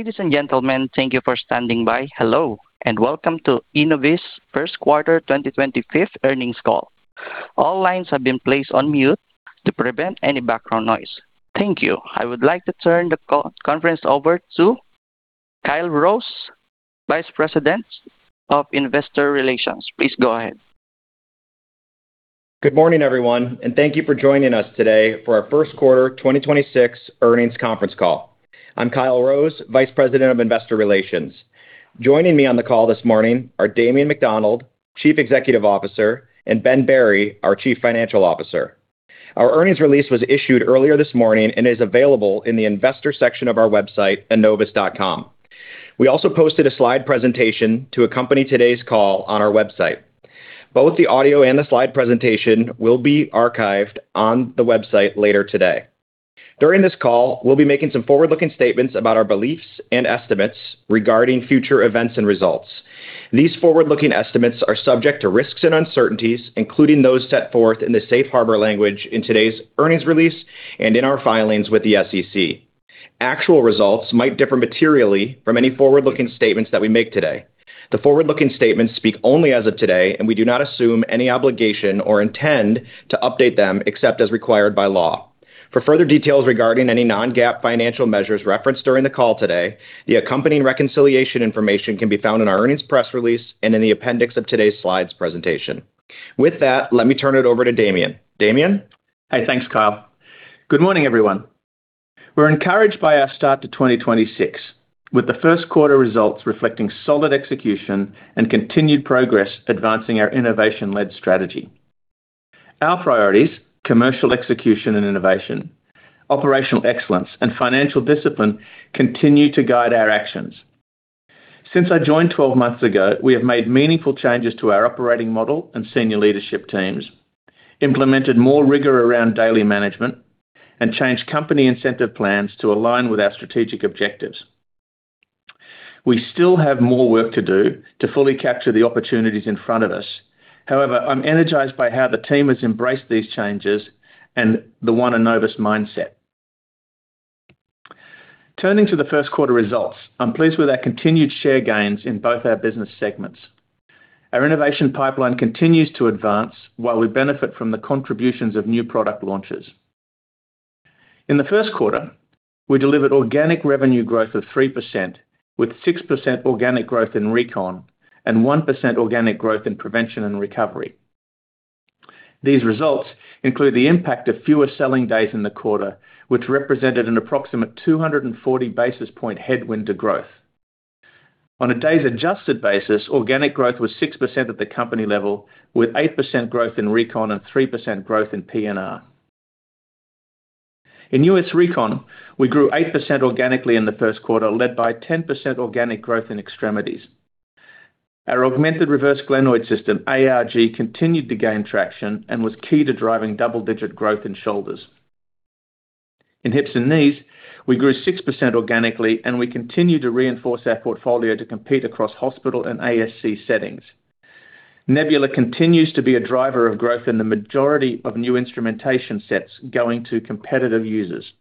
Ladies and gentlemen, thank you for standing by. Hello, welcome to Enovis first quarter 2025 earnings call. All lines have been placed on mute to prevent any background noise. Thank you. I would like to turn the conference over to Kyle Rose, Vice President of Investor Relations. Please go ahead. Good morning, everyone, and thank you for joining us today for our 1st quarter 2026 earnings conference call. I'm Kyle Rose, Vice President of Investor Relations. Joining me on the call this morning are Damien McDonald, Chief Executive Officer, and Ben Berry, our Chief Financial Officer. Our earnings release was issued earlier this morning and is available in the investor section of our website, enovis.com. We also posted a slide presentation to accompany today's call on our website. Both the audio and the slide presentation will be archived on the website later today. During this call, we'll be making some forward-looking statements about our beliefs and estimates regarding future events and results. These forward-looking estimates are subject to risks and uncertainties, including those set forth in the safe harbor language in today's earnings release and in our filings with the SEC. Actual results might differ materially from any forward-looking statements that we make today. The forward-looking statements speak only as of today, and we do not assume any obligation or intend to update them except as required by law. For further details regarding any non-GAAP financial measures referenced during the call today, the accompanying reconciliation information can be found in our earnings press release and in the appendix of today's slides presentation. With that, let me turn it over to Damien. Damien? Hey, thanks, Kyle. Good morning, everyone. We're encouraged by our start to 2026, with the first quarter results reflecting solid execution and continued progress advancing our innovation-led strategy. Our priorities, commercial execution and innovation, operational excellence, and financial discipline continue to guide our actions. Since I joined 12 months ago, we have made meaningful changes to our operating model and senior leadership teams, implemented more rigor around daily management, and changed company incentive plans to align with our strategic objectives. We still have more work to do to fully capture the opportunities in front of us. However, I'm energized by how the team has embraced these changes and the One Enovis mindset. Turning to the first quarter results, I'm pleased with our continued share gains in both our business segments. Our innovation pipeline continues to advance while we benefit from the contributions of new product launches. In the first quarter, we delivered organic revenue growth of 3%, with 6% organic growth in Recon and 1% organic growth in Prevention & Recovery. These results include the impact of fewer selling days in the quarter, which represented an approximate 240 basis point headwind to growth. On a days adjusted basis, organic growth was 6% at the company level, with 8% growth in Recon and 3% growth in P&R. In U.S. Recon, we grew 8% organically in the first quarter, led by 10% organic growth in extremities. Our Augmented Reverse Glenoid System, ARG, continued to gain traction and was key to driving double-digit growth in shoulders. In hips and knees, we grew 6% organically, and we continue to reinforce our portfolio to compete across hospital and ASC settings. Nebula continues to be a driver of growth in the majority of new instrumentation sets going to competitive users.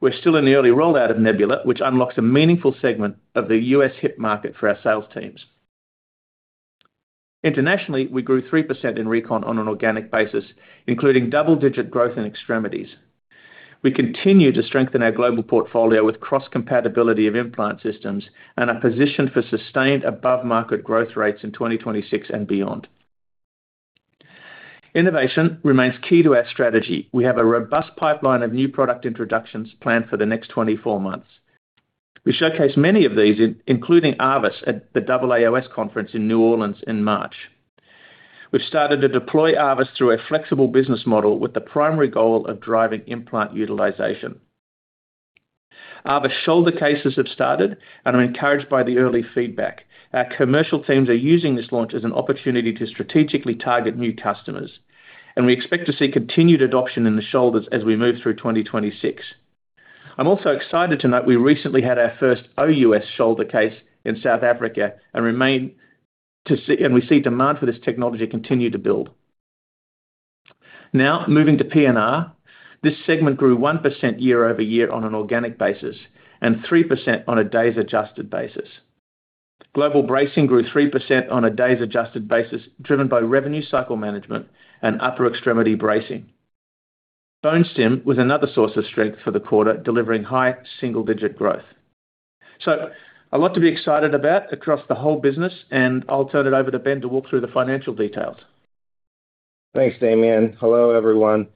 We're still in the early rollout of Nebula, which unlocks a meaningful segment of the U.S. hip market for our sales teams. Internationally, we grew 3% in Recon on an organic basis, including double-digit growth in extremities. We continue to strengthen our global portfolio with cross-compatibility of implant systems and are positioned for sustained above-market growth rates in 2026 and beyond. Innovation remains key to our strategy. We have a robust pipeline of new product introductions planned for the next 24 months. We showcased many of these, including ARVIS at the AAOS conference in New Orleans in March. We've started to deploy ARVIS through a flexible business model with the primary goal of driving implant utilization. ARVIS shoulder cases have started and are encouraged by the early feedback. Our commercial teams are using this launch as an opportunity to strategically target new customers, and we expect to see continued adoption in the shoulders as we move through 2026. I'm also excited to note we recently had our first OUS shoulder case in South Africa, and we see demand for this technology continue to build. Moving to P&R. This segment grew 1% year-over-year on an organic basis and 3% on a days adjusted basis. Global bracing grew 3% on a days adjusted basis, driven by revenue cycle management and upper extremity bracing. Bone stim was another source of strength for the quarter, delivering high single-digit growth. A lot to be excited about across the whole business, and I'll turn it over to Ben to walk through the financial details. Thanks, Damien. Hello, everyone.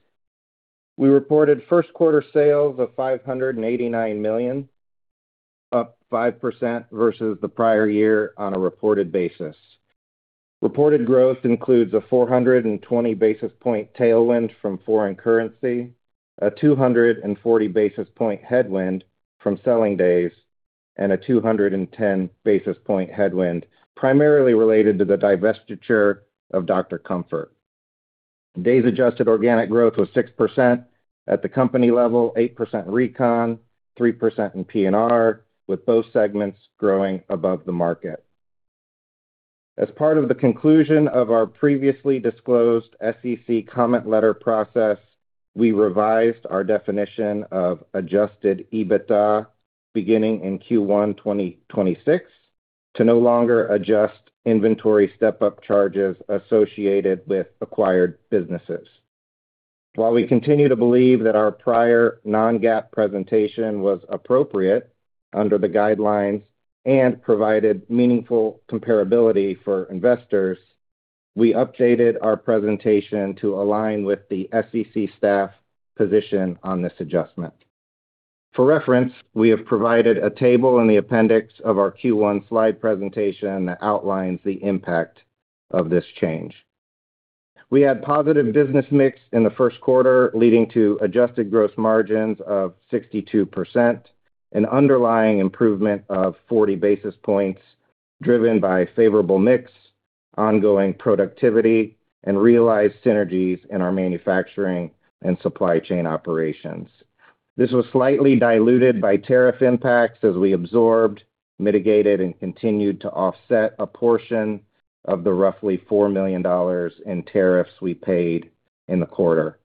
We reported first quarter sales of $589 million, up 5% versus the prior year on a reported basis. Reported growth includes a 420 basis point tailwind from foreign currency, a 240 basis point headwind from selling days, and a 210 basis point headwind, primarily related to the divestiture of Dr. Comfort. Days adjusted organic growth was 6% at the company level, 8% Recon, 3% in P&R, with both segments growing above the market. As part of the conclusion of our previously disclosed SEC comment letter process, we revised our definition of adjusted EBITDA beginning in Q1 2026 to no longer adjust inventory step-up charges associated with acquired businesses. While we continue to believe that our prior non-GAAP presentation was appropriate under the guidelines and provided meaningful comparability for investors, we updated our presentation to align with the SEC staff position on this adjustment. For reference, we have provided a table in the appendix of our Q1 slide presentation that outlines the impact of this change. We had positive business mix in the first quarter, leading to adjusted gross margins of 62%, an underlying improvement of 40 basis points driven by favorable mix, ongoing productivity, and realized synergies in our manufacturing and supply chain operations. This was slightly diluted by tariff impacts as we absorbed, mitigated, and continued to offset a portion of the roughly $4 million in tariffs we paid in the quarter.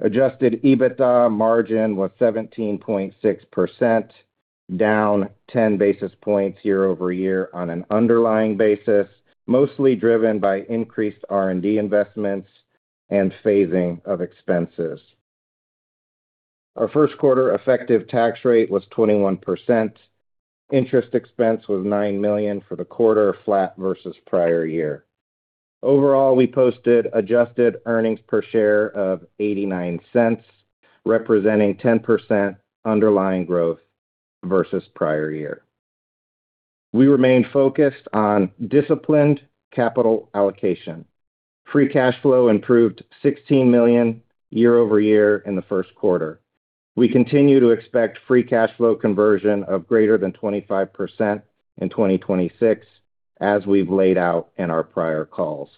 Adjusted EBITDA margin was 17.6%, down 10 basis points year-over-year on an underlying basis, mostly driven by increased R&D investments and phasing of expenses. Our first quarter effective tax rate was 21%. Interest expense was $9 million for the quarter, flat versus prior year. Overall, we posted adjusted earnings per share of $0.89, representing 10% underlying growth versus prior year. We remain focused on disciplined capital allocation. Free cash flow improved $16 million year-over-year in the first quarter. We continue to expect free cash flow conversion of greater than 25% in 2026, as we've laid out in our prior calls.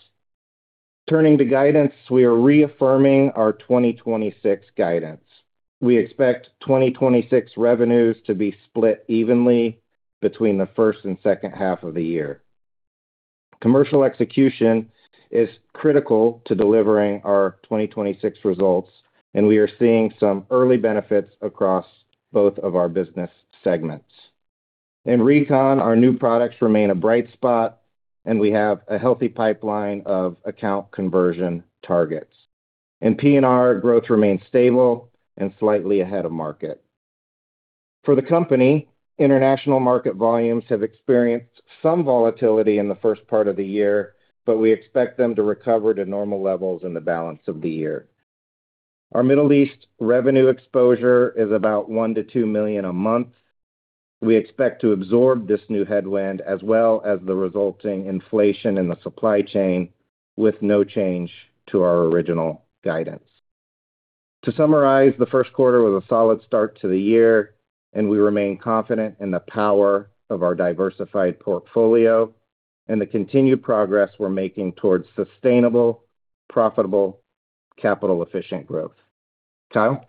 Turning to guidance, we are reaffirming our 2026 guidance. We expect 2026 revenues to be split evenly between the first and second half of the year. Commercial execution is critical to delivering our 2026 results, and we are seeing some early benefits across both of our business segments. In Recon, our new products remain a bright spot, and we have a healthy pipeline of account conversion targets. In P&R, growth remains stable and slightly ahead of market. For the company, international market volumes have experienced some volatility in the first part of the year, but we expect them to recover to normal levels in the balance of the year. Our Middle East revenue exposure is about $1 million-$2 million a month. We expect to absorb this new headwind as well as the resulting inflation in the supply chain with no change to our original guidance. To summarize, the first quarter was a solid start to the year, and we remain confident in the power of our diversified portfolio and the continued progress we're making towards sustainable, profitable, capital-efficient growth. Kyle?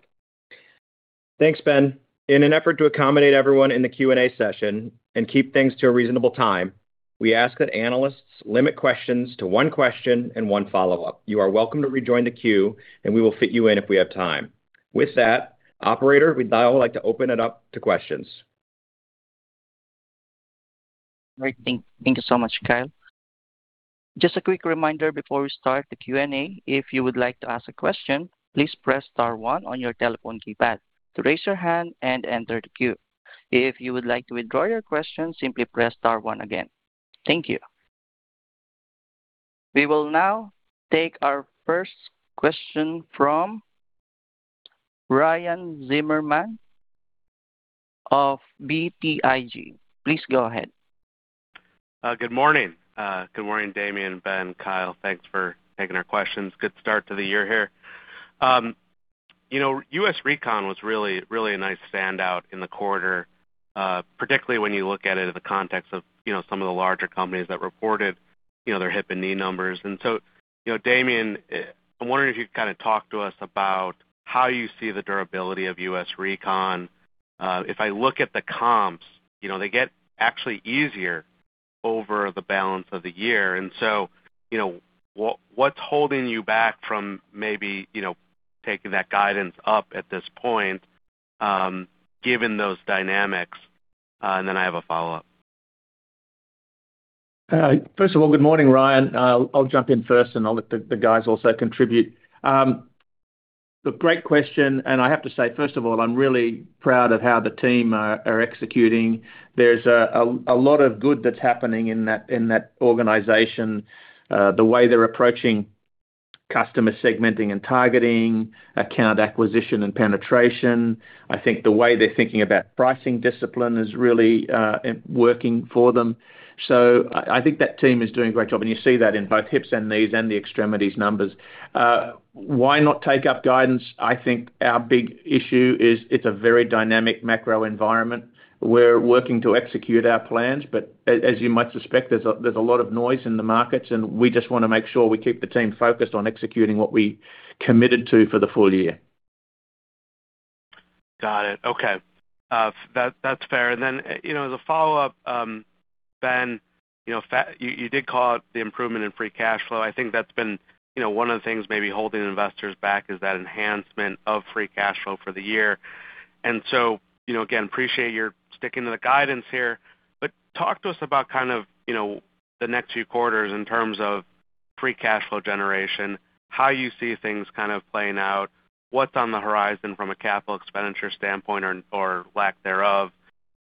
Thanks, Ben. In an effort to accommodate everyone in the Q&A session and keep things to a reasonable time, we ask that analysts limit questions to one question and one follow-up. You are welcome to rejoin the queue, and we will fit you in if we have time. With that, operator, we'd now like to open it up to questions. Great. Thank you so much, Kyle. Just a quick reminder before we start the Q&A, if you would like to ask a question, please press star one on your telephone keypad to raise your hand and enter the queue. If you would like to withdraw your question, simply press star one again. Thank you. We will now take our first question from Ryan Zimmerman of BTIG. Please go ahead. Good morning. Good morning, Damien, Ben, Kyle. Thanks for taking our questions. Good start to the year here. You know, U.S. Recon was really a nice standout in the quarter, particularly when you look at it in the context of, you know, some of the larger companies that reported, you know, their hip and knee numbers. You know, Damien, I'm wondering if you could kinda talk to us about how you see the durability of U.S. Recon. If I look at the comps, you know, they get actually easier over the balance of the year. You know, what's holding you back from maybe, you know, taking that guidance up at this point, given those dynamics? I have a follow-up. First of all, good morning, Ryan. I'll jump in first, I'll let the guys also contribute. Look, great question, I have to say, first of all, I'm really proud of how the team are executing. There's a lot of good that's happening in that organization. The way they're approaching customer segmenting and targeting, account acquisition and penetration. I think the way they're thinking about pricing discipline is really working for them. I think that team is doing a great job, and you see that in both hips and knees and the extremities numbers. Why not take up guidance? I think our big issue is it's a very dynamic macro environment. We're working to execute our plans. As you might suspect, there's a lot of noise in the markets. We just wanna make sure we keep the team focused on executing what we committed to for the full year. Got it. Okay. That's fair. You know, as a follow-up, Ben, you know, you did call out the improvement in free cash flow. I think that's been, you know, one of the things maybe holding investors back is that enhancement of free cash flow for the year. You know, again, appreciate your sticking to the guidance here. Talk to us about kind of, you know, the next few quarters in terms of free cash flow generation, how you see things kind of playing out, what's on the horizon from a capital expenditure standpoint or lack thereof.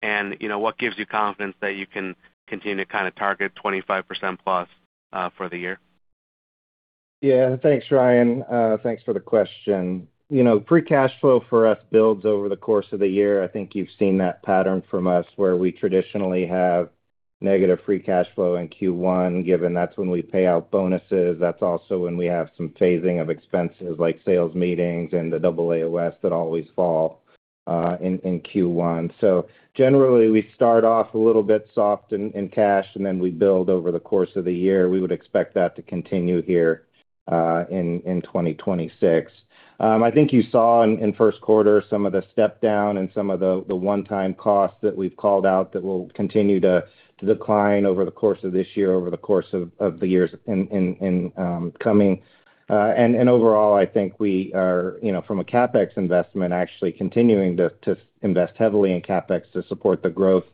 You know, what gives you confidence that you can continue to kind of target 25%+ for the year? Yeah. Thanks, Ryan. Thanks for the question. You know, free cash flow for us builds over the course of the year. I think you've seen that pattern from us, where we traditionally have negative free cash flow in Q1, given that's when we pay out bonuses. That's also when we have some phasing of expenses like sales meetings and the AAOS that always fall in Q1. Generally, we start off a little bit soft in cash, and then we build over the course of the year. We would expect that to continue here in 2026. I think you saw in first quarter some of the step down and some of the one-time costs that we've called out that will continue to decline over the course of this year, over the course of the years in coming. Overall, I think we are, you know, from a CapEx investment, actually continuing to invest heavily in CapEx to support the growth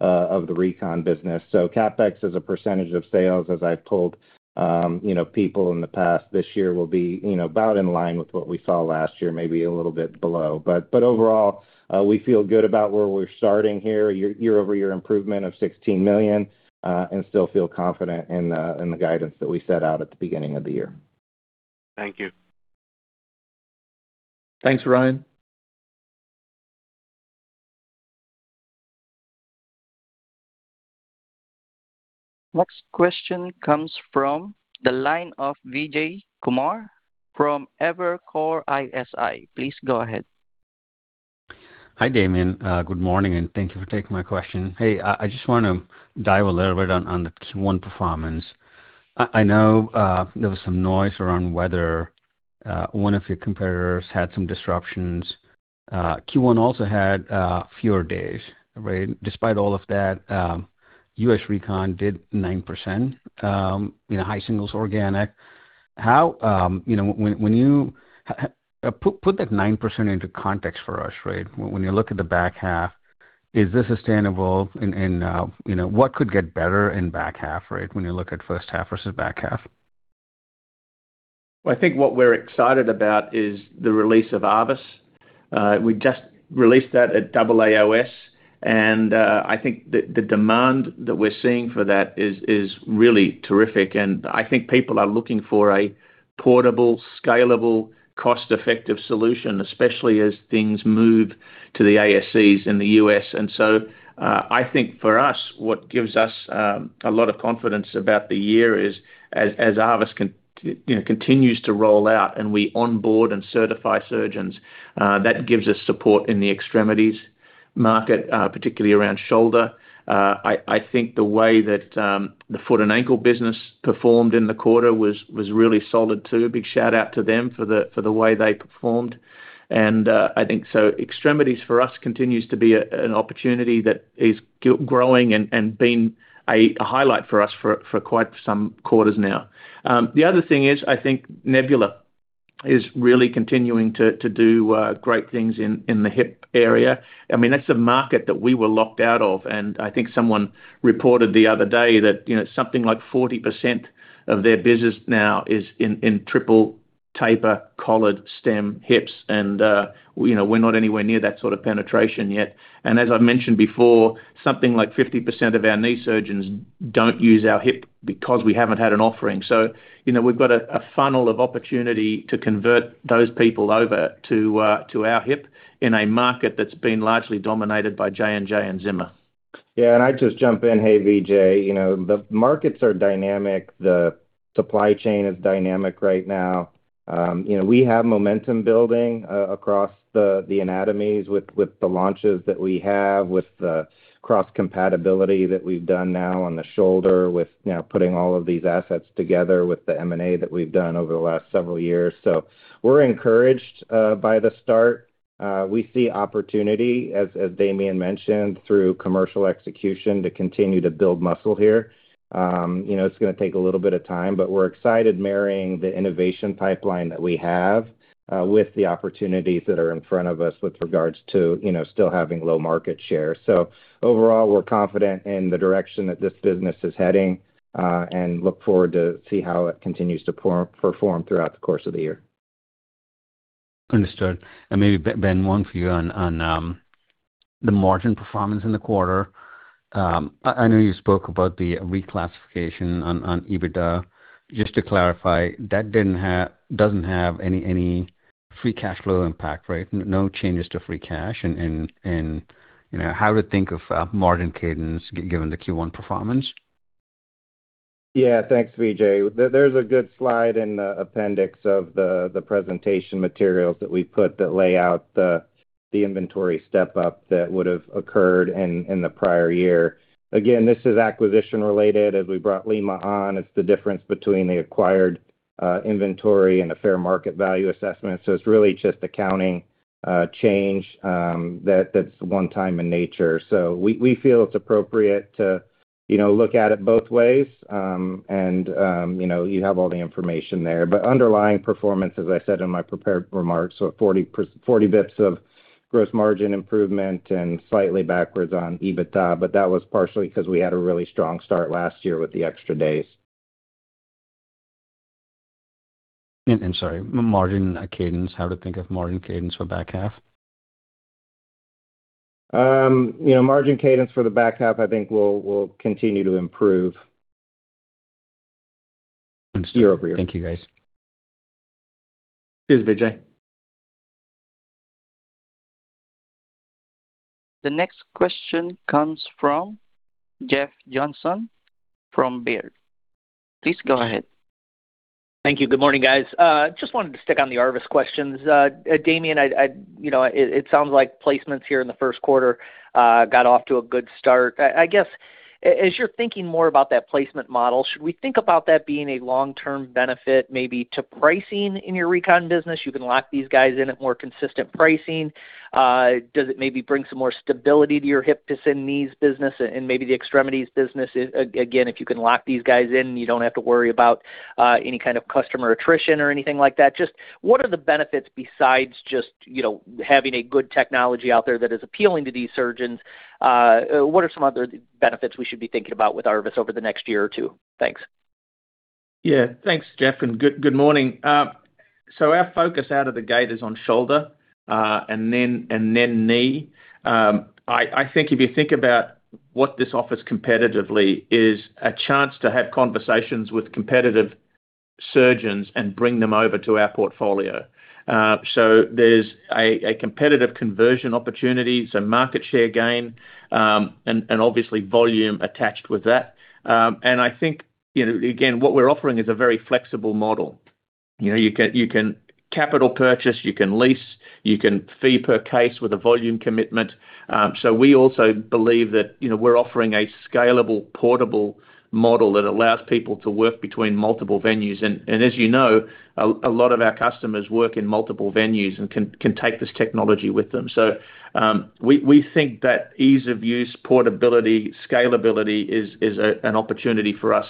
of the Recon business. So CapEx as a percentage of sales, as I've told, you know, people in the past this year will be, you know, about in line with what we saw last year, maybe a little bit below. Overall, we feel good about where we're starting here, year-over-year improvement of $16 million, and still feel confident in the guidance that we set out at the beginning of the year. Thank you. Thanks, Ryan. Next question comes from the line of Vijay Kumar from Evercore ISI. Please go ahead. Hi, Damien. Good morning, and thank you for taking my question. Hey, I just wanna dive a little bit on the Q1 performance. I know there was some noise around whether one of your competitors had some disruptions. Q1 also had fewer days, right? Despite all of that, U.S. Recon did 9%, you know, high singles organic. How, you know, when you put that 9% into context for us, right? When you look at the back half, is this sustainable? You know, what could get better in back half, right, when you look at first half versus back half? I think what we're excited about is the release of ARVIS. We just released that at AAOS, and I think the demand that we're seeing for that is really terrific. I think people are looking for a portable, scalable, cost-effective solution, especially as things move to the ASCs in the U.S. I think for us, what gives us a lot of confidence about the year is as ARVIS you know, continues to roll out and we onboard and certify surgeons, that gives us support in the extremities market, particularly around shoulder. I think the way that the foot and ankle business performed in the quarter was really solid too. Big shout out to them for the way they performed. I think so extremities for us continues to be an opportunity that is growing, a highlight for us for quite some quarters now. The other thing is, I think Nebula is really continuing to do great things in the hip area. I mean, that's a market that we were locked out of, and I think someone reported the other day that, you know, something like 40% of their business now is in triple taper collared stem hips and, you know, we're not anywhere near that sort of penetration yet. As I mentioned before, something like 50% of our knee surgeons don't use our hip because we haven't had an offering. You know, we've got a funnel of opportunity to convert those people over to our hip in a market that's been largely dominated by J&J and Zimmer. Yeah. I'd just jump in. Hey, Vijay. You know, the markets are dynamic. The supply chain is dynamic right now. You know, we have momentum building across the anatomies with the launches that we have, with the cross-compatibility that we've done now on the shoulder, with, you know, putting all of these assets together with the M&A that we've done over the last several years. We're encouraged by the start. We see opportunity, as Damien mentioned, through commercial execution to continue to build muscle here. You know, it's gonna take a little bit of time, but we're excited marrying the innovation pipeline that we have with the opportunities that are in front of us with regards to, you know, still having low market share. Overall, we're confident in the direction that this business is heading, and look forward to see how it continues to perform throughout the course of the year. Understood. Maybe Ben, one for you on the margin performance in the quarter. I know you spoke about the reclassification on EBITDA. Just to clarify, that doesn't have any free cash flow impact, right? No changes to free cash. You know, how to think of margin cadence given the Q1 performance? Yeah. Thanks, Vijay. There's a good slide in the appendix of the presentation materials that we put that lay out the inventory step up that would have occurred in the prior year. Again, this is acquisition related. As we brought LimaCorporate on, it's the difference between the acquired inventory and a fair market value assessment. It's really just accounting change that's one time in nature. We feel it's appropriate to, you know, look at it both ways. You know, you have all the information there. Underlying performance, as I said in my prepared remarks, 40 basis points of gross margin improvement and slightly backwards on EBITDA, but that was partially 'cause we had a really strong start last year with the extra days. Sorry, margin cadence. How to think of margin cadence for back half? You know, margin cadence for the back half I think will continue to improve. Understood. Year-over-year. Thank you, guys. Cheers, Vijay. The next question comes from Jeff Johnson from Baird. Please go ahead. Thank you. Good morning, guys. Just wanted to stick on the ARVIS questions. Damien, you know, sounds like placements here in the first quarter got off to a good start. As you're thinking more about that placement model, should we think about that being a long-term benefit maybe to pricing in your recon business? You can lock these guys in at more consistent pricing. Does it maybe bring some more stability to your hip, disc, and knees business and maybe the extremities business? Again, if you can lock these guys in, you don't have to worry about any kind of customer attrition or anything like that. Just what are the benefits besides just, you know, having a good technology out there that is appealing to these surgeons? What are some other benefits we should be thinking about with ARVIS over the next year or two? Thanks. Yeah. Thanks, Jeff, and good morning. Our focus out of the gate is on shoulder, and then knee. I think if you think about what this offers competitively is a chance to have conversations with competitive surgeons and bring them over to our portfolio. There's a competitive conversion opportunity. It's a market share gain, and obviously volume attached with that. I think, you know, again, what we're offering is a very flexible model. You know, you can capital purchase, you can lease, you can fee per case with a volume commitment. We also believe that, you know, we're offering a scalable, portable model that allows people to work between multiple venues. As you know, a lot of our customers work in multiple venues and can take this technology with them. We think that ease of use, portability, scalability is an opportunity for us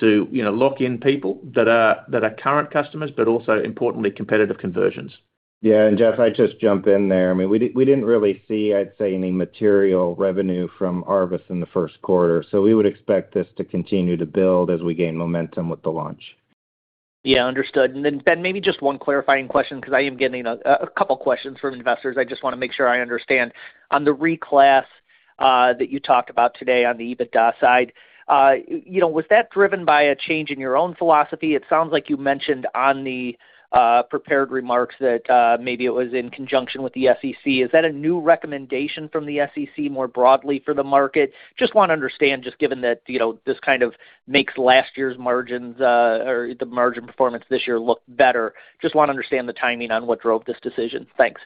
to, you know, lock in people that are current customers, but also importantly, competitive conversions. Yeah. Jeff, I'd just jump in there. I mean, we didn't really see, I'd say, any material revenue from ARVIS in the first quarter. We would expect this to continue to build as we gain momentum with the launch. Yeah, understood. Ben, maybe just one clarifying question, 'cause I am getting a couple questions from investors. I just wanna make sure I understand. On the reclass that you talked about today on the EBITDA side, you know, was that driven by a change in your own philosophy? It sounds like you mentioned on the prepared remarks that maybe it was in conjunction with the SEC. Is that a new recommendation from the SEC more broadly for the market? Just wanna understand, just given that, you know, this kind of makes last year's margins or the margin performance this year look better. Just wanna understand the timing on what drove this decision. Thanks.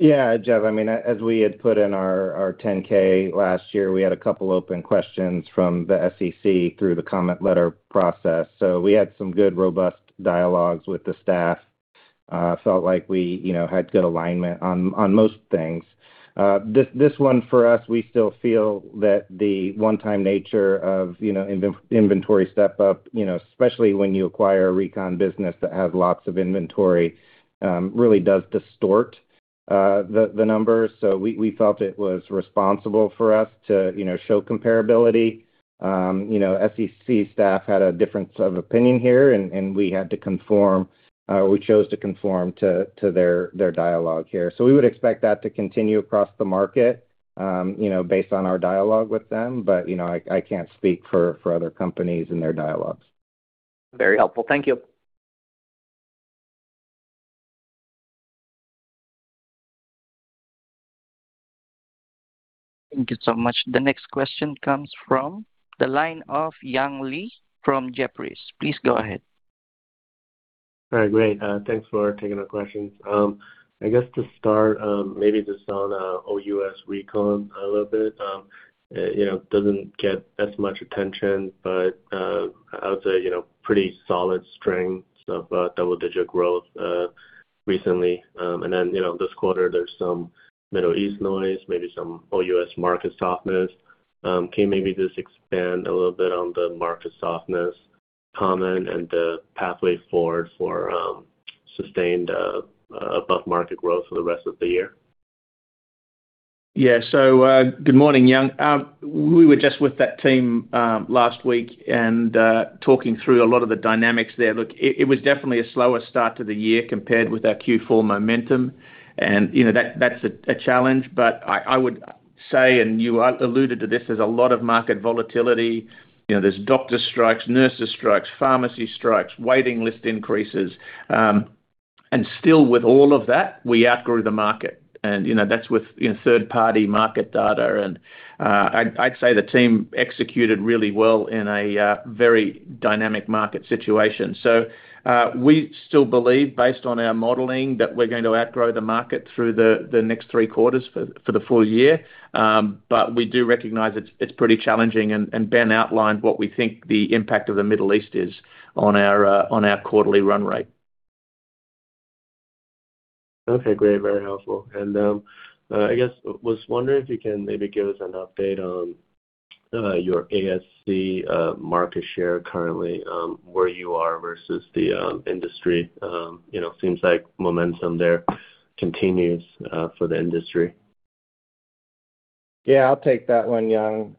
Jeff, I mean, as we had put in our 10-K last year, we had a couple open questions from the SEC through the comment letter process. We had some good, robust dialogues with the staff. Felt like we, you know, had good alignment on most things. This one for us, we still feel that the one-time nature of, you know, inventory step-up, you know, especially when you acquire a Recon business that has lots of inventory, really does distort the numbers. We felt it was responsible for us to, you know, show comparability. You know, SEC staff had a difference of opinion here and we had to conform, we chose to conform to their dialogue here. We would expect that to continue across the market, you know, based on our dialogue with them. You know, I can't speak for other companies and their dialogues. Very helpful. Thank you. Thank you so much. The next question comes from the line of Young Li from Jefferies. Please go ahead. All right, great. Thanks for taking the questions. I guess to start, maybe just on OUS Recon a little bit. You know, doesn't get as much attention, but I would say, you know, pretty solid strength of double-digit growth recently. You know, this quarter there's some Middle East noise, maybe some OUS market softness. Can you maybe just expand a little bit on the market softness comment and the pathway forward for sustained above-market growth for the rest of the year? Good morning, Young. We were just with that team last week and talking through a lot of the dynamics there. It was definitely a slower start to the year compared with our Q4 momentum. You know, that's a challenge, but I would say, and you alluded to this, there's a lot of market volatility. You know, there's doctor strikes, nurses strikes, pharmacy strikes, waiting list increases. Still with all of that, we outgrew the market and, you know, that's with, you know, third-party market data. I'd say the team executed really well in a very dynamic market situation. We still believe, based on our modeling, that we're going to outgrow the market through the next three quarters for the full year. We do recognize it's pretty challenging and Ben outlined what we think the impact of the Middle East is on our, on our quarterly run rate. Okay, great. Very helpful. I guess was wondering if you can maybe give us an update on your ASC market share currently, where you are versus the industry. You know, seems like momentum there continues for the industry. Yeah, I'll take that one, Young.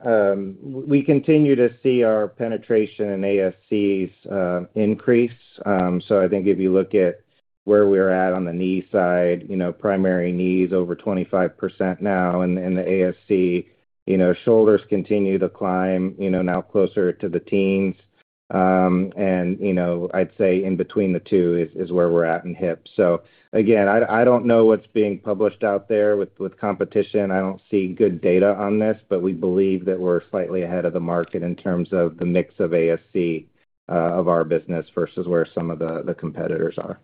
We continue to see our penetration in ASCs increase. I think if you look at where we're at on the knee side, you know, primary knee is over 25% now in the ASC. You know, shoulders continue to climb, you know, now closer to the teens. You know, I'd say in between the two is where we're at in hip. Again, I don't know what's being published out there with competition. I don't see good data on this, we believe that we're slightly ahead of the market in terms of the mix of ASC of our business versus where some of the competitors are.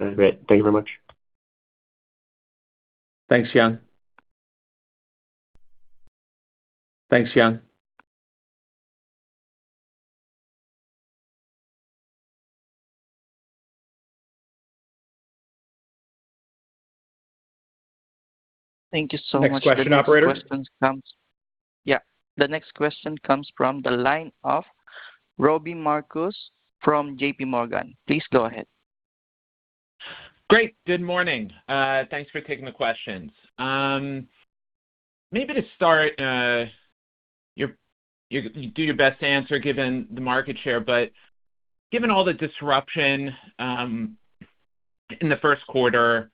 All right. Great. Thank you very much. Thanks, Young. Thank you so much. Next question, operator. The next question comes from the line of Robbie Marcus from JPMorgan. Please go ahead. Great. Good morning. Thanks for taking the questions. Maybe to start, do your best to answer given the market share, but given all the disruption in the first quarter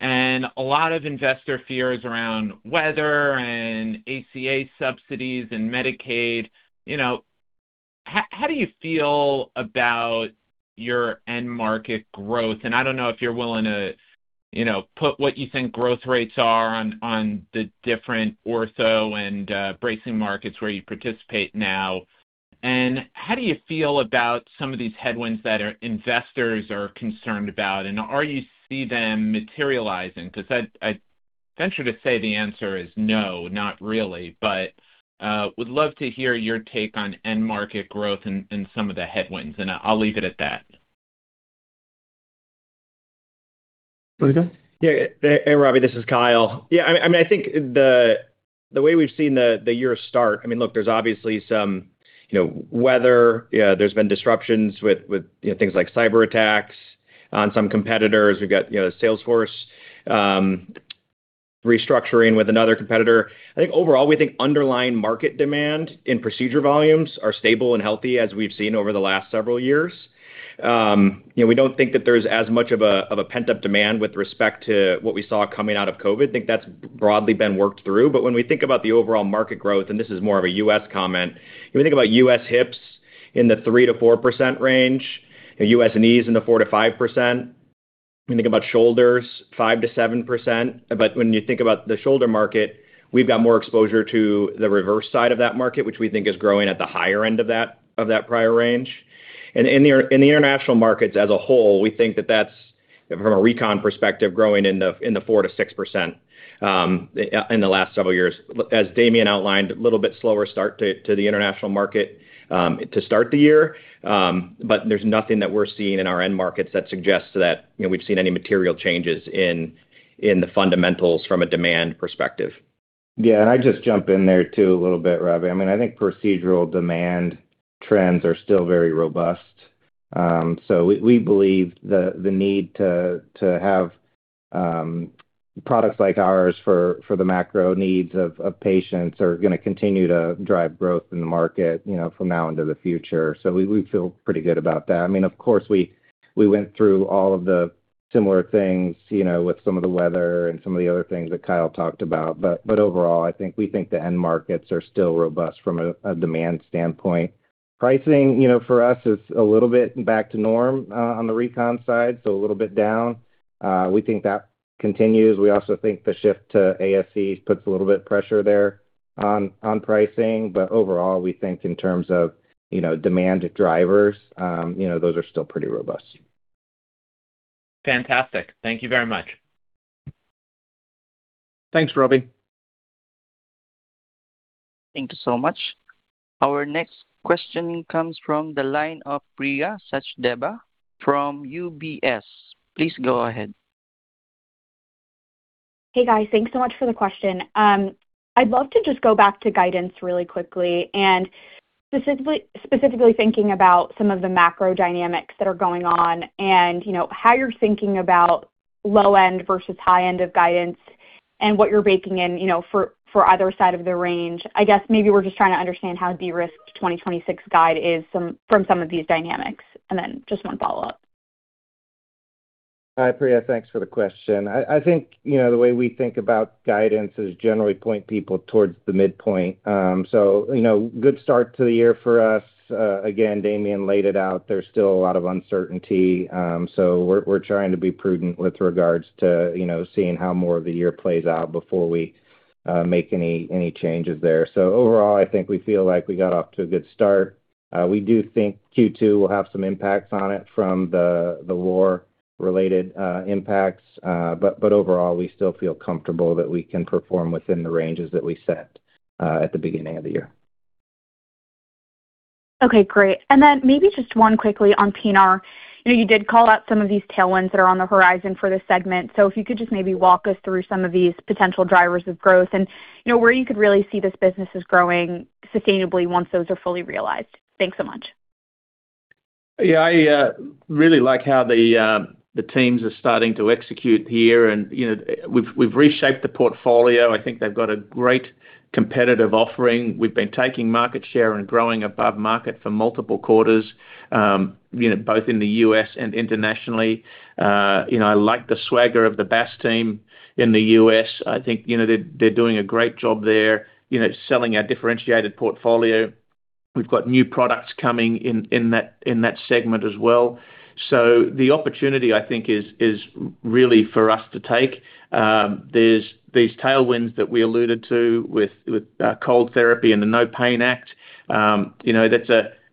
and a lot of investor fears around weather and ACA subsidies and Medicaid, you know, how do you feel about your end market growth? I don't know if you're willing to, you know, put what you think growth rates are on the different ortho and bracing markets where you participate now. How do you feel about some of these headwinds that investors are concerned about? Are you see them materializing? 'Cause I'd venture to say the answer is no, not really, but would love to hear your take on end market growth and some of the headwinds. I'll leave it at that. Go ahead. Yeah. Hey, Robbie, this is Kyle. I mean, I think the way we've seen the year start, I mean, look, there's obviously some, you know, weather. There's been disruptions with, you know, things like cyberattacks on some competitors. We've got, you know, sales force restructuring with another competitor. I think overall, we think underlying market demand and procedure volumes are stable and healthy as we've seen over the last several years. You know, we don't think that there's as much of a pent-up demand with respect to what we saw coming out of COVID. I think that's broadly been worked through. When we think about the overall market growth, and this is more of a U.S. comment, if we think about U.S. hips in the 3%-4% range, you know, U.S. knees in the 4%-5%. When you think about shoulders, 5%-7%. When you think about the shoulder market, we've got more exposure to the reverse side of that market, which we think is growing at the higher end of that prior range. In the international markets as a whole, we think that that's, from a Recon perspective, growing in the 4%-6% in the last several years. As Damien outlined, a little bit slower start to the international market to start the year. There's nothing that we're seeing in our end markets that suggests that, you know, we've seen any material changes in the fundamentals from a demand perspective. Yeah. I'd just jump in there too a little bit, Robbie. I mean, I think procedural demand trends are still very robust. We, we believe the need to have products like ours for the macro needs of patients are gonna continue to drive growth in the market, you know, from now into the future. We, we feel pretty good about that. I mean, of course, we went through all of the similar things, you know, with some of the weather and some of the other things that Kyle talked about. Overall, I think we think the end markets are still robust from a demand standpoint. Pricing, you know, for us is a little bit back to norm on the Recon side, so a little bit down. We think that continues. We also think the shift to ASC puts a little bit of pressure there on pricing. Overall, we think in terms of, you know, demand drivers, you know, those are still pretty robust. Fantastic. Thank you very much. Thanks, Robbie. Thank you so much. Our next question comes from the line of Priya Sachdeva from UBS. Please go ahead. Hey, guys. Thanks so much for the question. I'd love to just go back to guidance really quickly, specifically thinking about some of the macro dynamics that are going on and, you know, how you're thinking about low end versus high end of guidance and what you're baking in, you know, for either side of the range. I guess maybe we're just trying to understand how de-risked 2026 guide is from some of these dynamics. Just one follow-up. Hi, Priya. Thanks for the question. I think, you know, the way we think about guidance is generally point people towards the midpoint. You know, good start to the year for us. Again, Damien laid it out. There's still a lot of uncertainty. We're trying to be prudent with regards to, you know, seeing how more of the year plays out before we make any changes there. Overall, I think we feel like we got off to a good start. We do think Q2 will have some impacts on it from the war-related impacts. Overall, we still feel comfortable that we can perform within the ranges that we set at the beginning of the year. Okay, great. Maybe just one quickly on P&R. You know, you did call out some of these tailwinds that are on the horizon for this segment. If you could just maybe walk us through some of these potential drivers of growth and, you know, where you could really see this business as growing sustainably once those are fully realized. Thanks so much. I really like how the teams are starting to execute here and, you know, we've reshaped the portfolio. I think they've got a great competitive offering. We've been taking market share and growing above market for multiple quarters, you know, both in the U.S. and internationally. You know, I like the swagger of the B&S team in the U.S. I think, you know, they're doing a great job there, you know, selling our differentiated portfolio. We've got new products coming in that segment as well. The opportunity, I think, is really for us to take. There's these tailwinds that we alluded to with cold therapy and the NOPAIN Act. You know,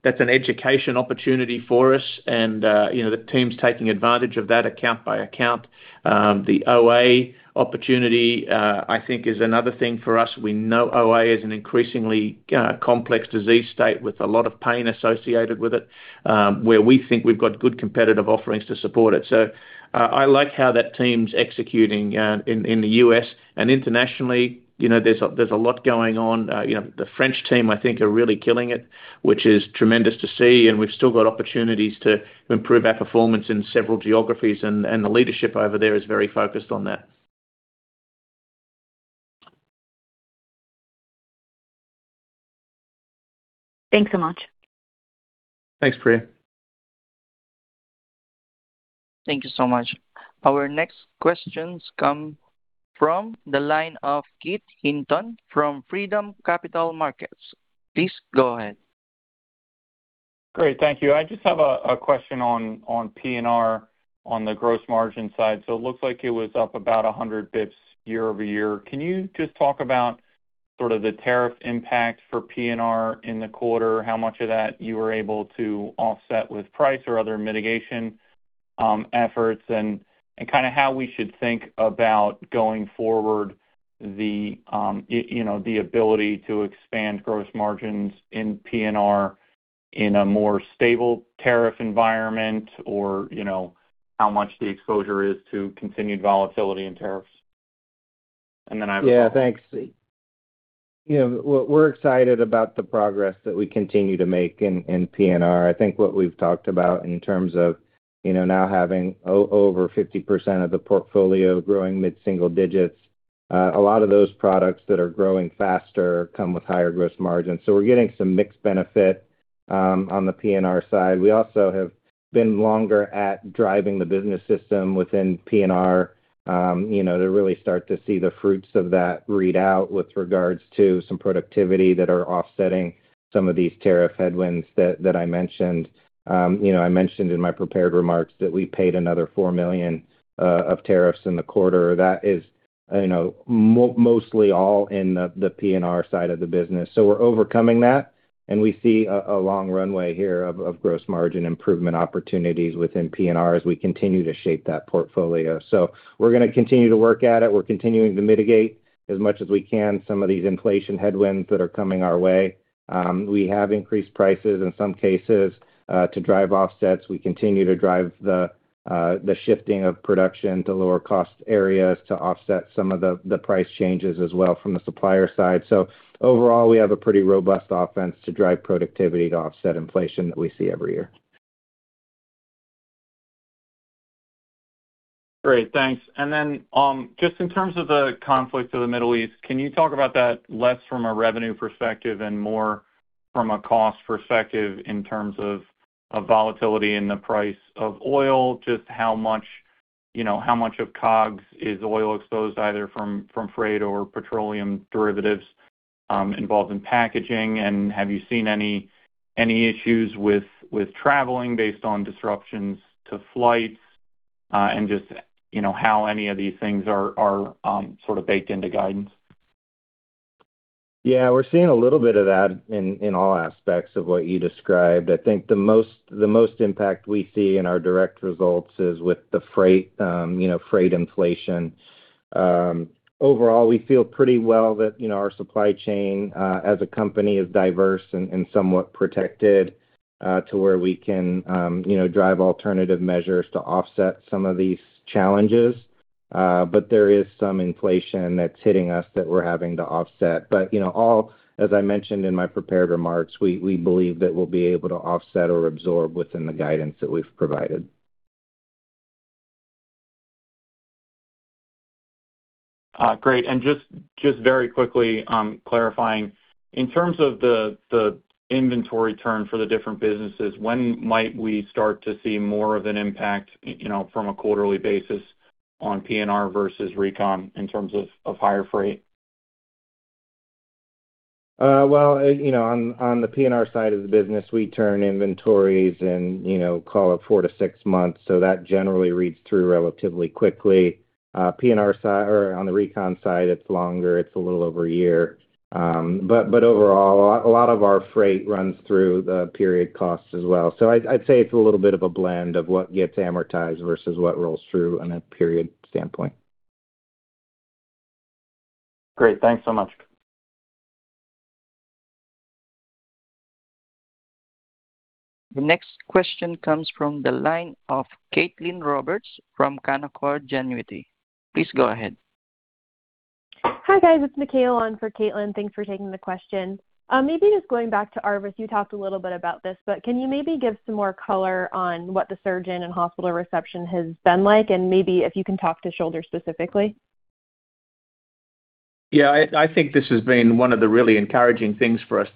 that's an education opportunity for us and, you know, the team's taking advantage of that account by account. The OA opportunity, I think is another thing for us. We know OA is an increasingly complex disease state with a lot of pain associated with it, where we think we've got good competitive offerings to support it. I like how that team's executing in the U.S. and internationally. You know, there's a lot going on. You know, the French team I think are really killing it, which is tremendous to see, and we've still got opportunities to improve our performance in several geographies and the leadership over there is very focused on that. Thanks so much. Thanks, Priya. Thank you so much. Our next questions come from the line of Keith Hinton from Freedom Capital Markets. Please go ahead. Great. Thank you. I just have a question on P&R on the gross margin side. It looks like it was up about 100 bips year-over-year. Can you just talk about sort of the tariff impact for P&R in the quarter, how much of that you were able to offset with price or other mitigation efforts and kind of how we should think about going forward, you know, the ability to expand gross margins in P&R in a more stable tariff environment or, you know, how much the exposure is to continued volatility in tariffs? Yeah, thanks. You know, we're excited about the progress that we continue to make in P&R. I think what we've talked about in terms of, you know, now having over 50% of the portfolio growing mid-single digits. A lot of those products that are growing faster come with higher gross margins. We're getting some mixed benefit on the P&R side. We also have been longer at driving the business system within P&R, you know, to really start to see the fruits of that read out with regards to some productivity that are offsetting some of these tariff headwinds that I mentioned. You know, I mentioned in my prepared remarks that we paid another $4 million of tariffs in the quarter. That is, you know, mostly all in the P&R side of the business. We're overcoming that, and we see a long runway here of gross margin improvement opportunities within P&R as we continue to shape that portfolio. We're gonna continue to work at it. We're continuing to mitigate as much as we can some of these inflation headwinds that are coming our way. We have increased prices in some cases to drive offsets. We continue to drive the shifting of production to lower cost areas to offset some of the price changes as well from the supplier side. Overall, we have a pretty robust offense to drive productivity to offset inflation that we see every year. Great, thanks. Then, just in terms of the conflict of the Middle East, can you talk about that less from a revenue perspective and more from a cost perspective in terms of volatility in the price of oil? Just how much, you know, how much of COGS is oil exposed either from freight or petroleum derivatives, involved in packaging? Have you seen any issues with traveling based on disruptions to flights, and just, you know, how any of these things are sort of baked into guidance? Yeah, we're seeing a little bit of that in all aspects of what you described. I think the most impact we see in our direct results is with the freight, you know, freight inflation. Overall, we feel pretty well that, you know, our supply chain, as a company is diverse and somewhat protected, to where we can, you know, drive alternative measures to offset some of these challenges. There is some inflation that's hitting us that we're having to offset. You know, all, as I mentioned in my prepared remarks, we believe that we'll be able to offset or absorb within the guidance that we've provided. Great. Just very quickly, clarifying. In terms of the inventory turn for the different businesses, when might we start to see more of an impact, you know, from a quarterly basis on P&R versus Recon in terms of higher freight? Well, you know, on the P&R side of the business, we turn inventories and, you know, call it four to six months, that generally reads through relatively quickly. P&R side, or on the Recon side, it's longer. It's a little over one year. Overall, a lot of our freight runs through the period costs as well. I'd say it's a little bit of a blend of what gets amortized versus what rolls through in a period standpoint. Great. Thanks so much. The next question comes from the line of Caitlin Roberts from Canaccord Genuity. Please go ahead. Hi, guys. It's Michaela on for Caitlin. Thanks for taking the question. Maybe just going back to ARVIS. You talked a little bit about this, but can you maybe give some more color on what the surgeon and hospital reception has been like, and maybe if you can talk to shoulder specifically? Yeah, I think this has been one of the really encouraging things for us.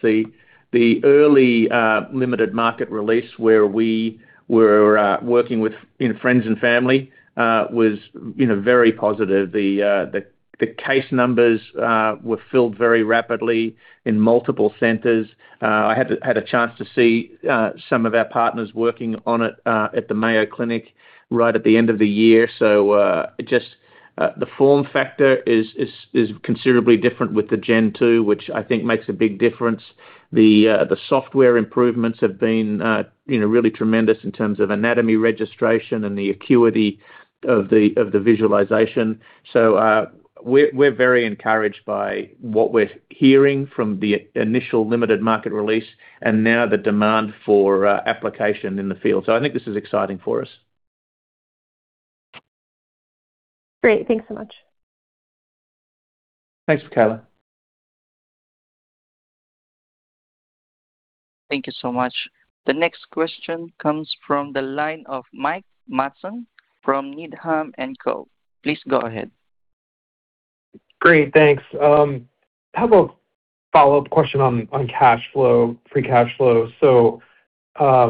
The early limited market release where we were working with, you know, friends and family, was, you know, very positive. The case numbers were filled very rapidly in multiple centers. I had a chance to see some of our partners working on it at the Mayo Clinic right at the end of the year. The form factor is considerably different with the Gen two, which I think makes a big difference. The software improvements have been, you know, really tremendous in terms of anatomy registration and the acuity of the visualization. We're very encouraged by what we're hearing from the initial limited market release and now the demand for application in the field. I think this is exciting for us. Great. Thanks so much. Thanks, Michaela. Thank you so much. The next question comes from the line of Mike Matson from Needham & Co. Please go ahead. Great, thanks. I have a follow-up question on cash flow, free cash flow.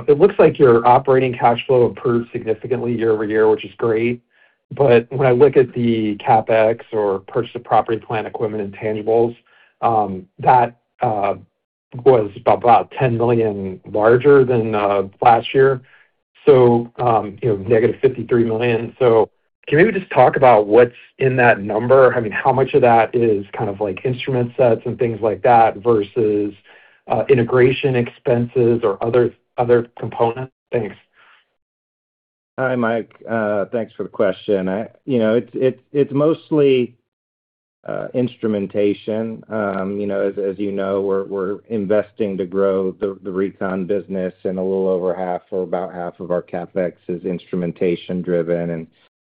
It looks like your operating cash flow improved significantly year-over-year, which is great. When I look at the CapEx or purchase of property, plant equipment and tangibles, that was about $10 million larger than last year, you know, negative $53 million. Can you maybe just talk about what's in that number? I mean, how much of that is kind of like instrument sets and things like that versus integration expenses or other components? Thanks. Hi, Mike. Thanks for the question. You know, it's mostly instrumentation. You know, as you know, we're investing to grow the Recon business, and a little over half or about half of our CapEx is instrumentation driven.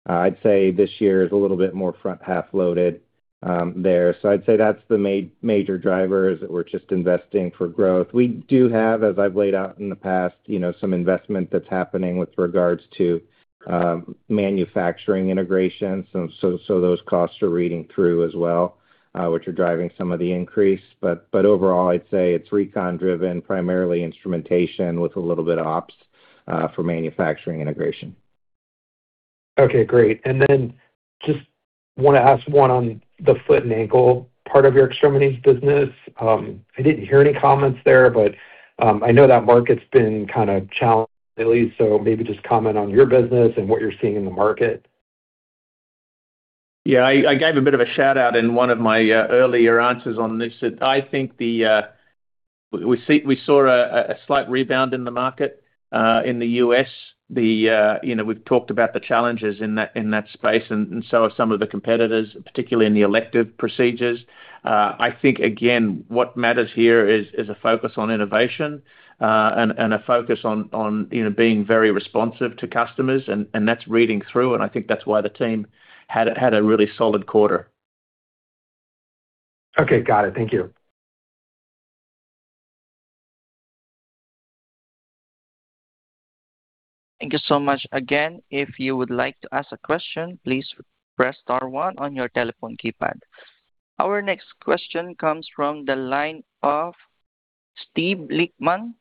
I'd say this year is a little bit more front half loaded there. I'd say that's the major drivers that we're just investing for growth. We do have, as I've laid out in the past, you know, some investment that's happening with regards to manufacturing integration. Those costs are reading through as well, which are driving some of the increase. Overall, I'd say it's Recon driven, primarily instrumentation with a little bit of ops for manufacturing integration. Okay, great. Just wanna ask one on the foot and ankle part of your extremities business. I didn't hear any comments there, but I know that market's been kind of challenged lately, so maybe just comment on your business and what you're seeing in the market. I gave a bit of a shout-out in one of my earlier answers on this, that I think we saw a slight rebound in the market in the U.S. The, you know, we've talked about the challenges in that space, and so have some of the competitors, particularly in the elective procedures. I think, again, what matters here is a focus on innovation, and a focus on, you know, being very responsive to customers, and that's reading through, and I think that's why the team had a really solid quarter. Okay. Got it. Thank you. Thank you so much. Again, if you would like to ask a question, please press star one on your telephone keypad. Our next question comes from the line of Steve Lichtman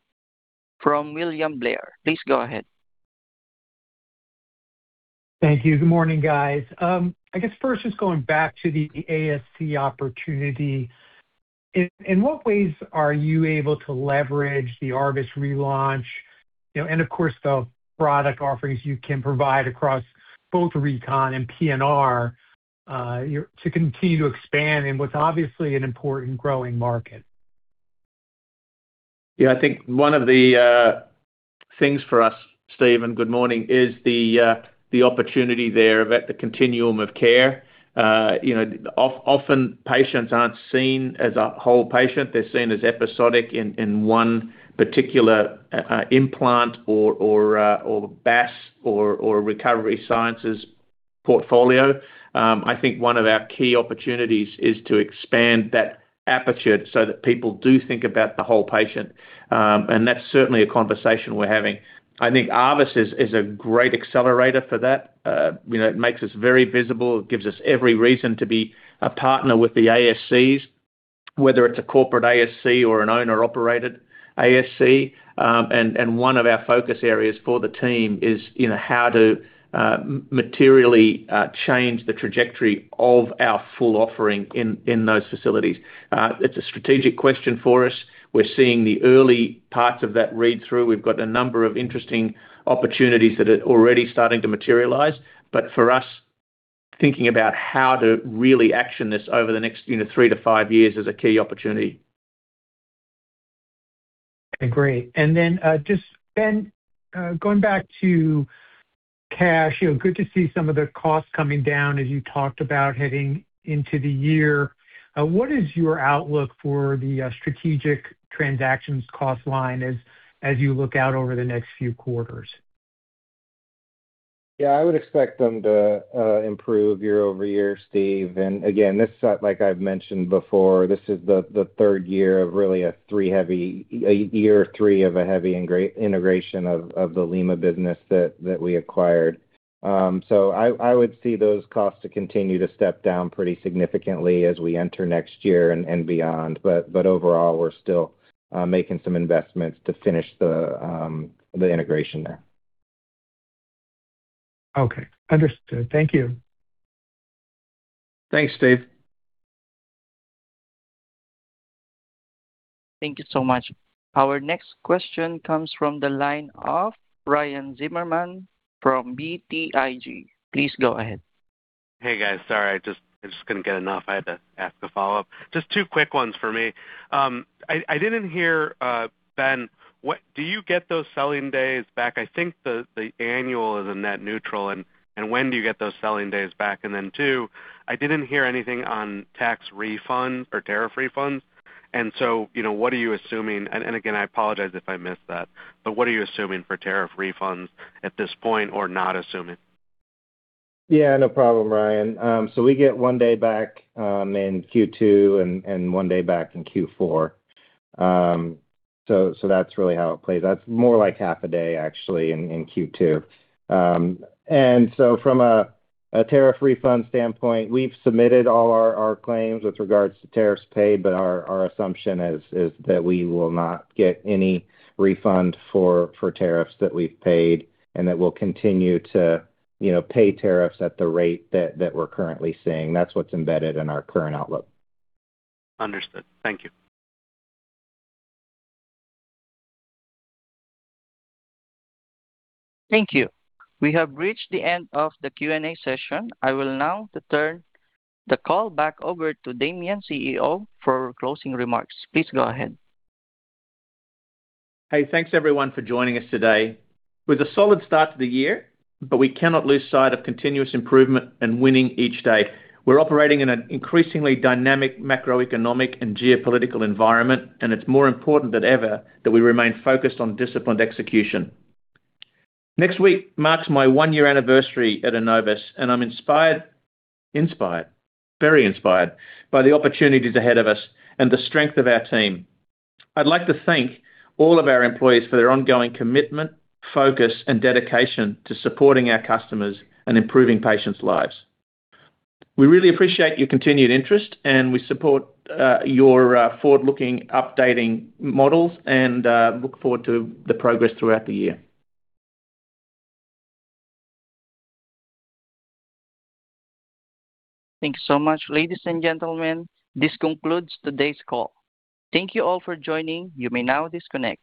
from William Blair. Please go ahead. Thank you. Good morning, guys. I guess first just going back to the ASC opportunity. In what ways are you able to leverage the ARVIS relaunch, you know, and of course, the product offerings you can provide across both Recon and P&R, to continue to expand in what's obviously an important growing market? Yeah. I think one of the things for us, Steve, and good morning, is the opportunity there about the continuum of care. You know, often patients aren't seen as a whole patient. They're seen as episodic in one particular implant or B&S or Recovery Sciences portfolio. I think one of our key opportunities is to expand that aperture so that people do think about the whole patient. And that's certainly a conversation we're having. I think ARVIS is a great accelerator for that. You know, it makes us very visible. It gives us every reason to be a partner with the ASCs, whether it's a corporate ASC or an owner-operated ASC. One of our focus areas for the team is, you know, how to materially change the trajectory of our full offering in those facilities. It's a strategic question for us. We're seeing the early parts of that read-through. We've got a number of interesting opportunities that are already starting to materialize. For us, thinking about how to really action this over the next, you know, three to five years is a key opportunity. Okay, great. Just, Ben, going back to cash, you know, good to see some of the costs coming down as you talked about heading into the year. What is your outlook for the Strategic Transactions Cost line as you look out over the next few quarters? Yeah, I would expect them to improve year-over-year, Steve. Again, this, like I've mentioned before, this is the third year of really a heavy integration of the Lima business that we acquired. I would see those costs to continue to step down pretty significantly as we enter next year and beyond. Overall, we're still making some investments to finish the integration there. Okay. Understood. Thank you. Thanks, Steve. Thank you so much. Our next question comes from the line of Ryan Zimmerman from BTIG. Please go ahead. Hey, guys. Sorry, I just couldn't get enough. I had to ask a follow-up. Just two quick ones for me. I didn't hear, Ben, do you get those selling days back? I think the annual is a net neutral, when do you get those selling days back? Two, I didn't hear anything on tax refunds or tariff refunds. You know, what are you assuming? Again, I apologize if I missed that, what are you assuming for tariff refunds at this point or not assuming? Yeah, no problem, Ryan. We get one day back in Q2 and one day back in Q4. That's really how it plays. That's more like half a day, actually, in Q2. From a tariff refund standpoint, we've submitted all our claims with regards to tariffs paid, but our assumption is that we will not get any refund for tariffs that we've paid and that we'll continue to, you know, pay tariffs at the rate that we're currently seeing. That's what's embedded in our current outlook. Understood. Thank you. Thank you. We have reached the end of the Q&A session. I will now turn the call back over to Damien, CEO, for closing remarks. Please go ahead. Hey, thanks everyone for joining us today. With a solid start to the year, but we cannot lose sight of continuous improvement and winning each day. We're operating in an increasingly dynamic macroeconomic and geopolitical environment, and it's more important than ever that we remain focused on disciplined execution. Next week marks my one-year anniversary at Enovis, and I'm inspired, very inspired by the opportunities ahead of us and the strength of our team. I'd like to thank all of our employees for their ongoing commitment, focus, and dedication to supporting our customers and improving patients' lives. We really appreciate your continued interest, and we support your forward-looking updating models and look forward to the progress throughout the year. Thanks so much, ladies and gentlemen. This concludes today's call. Thank you all for joining. You may now disconnect.